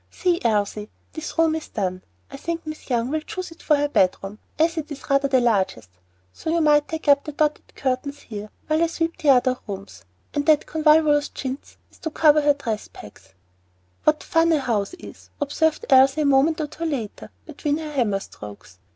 See, Elsie, this room is done. I think Miss Young will choose it for her bedroom, as it is rather the largest; so you might tack up the dotted curtains here while I sweep the other rooms. And that convolvulus chintz is to cover her dress pegs." "What fun a house is!" observed Elsie a moment or two later, between her hammer strokes.